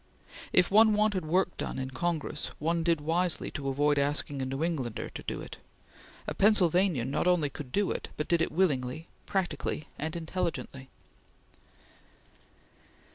If one wanted work done in Congress, one did wisely to avoid asking a New Englander to do it. A Pennsylvanian not only could do it, but did it willingly, practically, and intelligently.